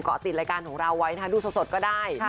ติดรายการของเราไว้นะคะดูสดก็ได้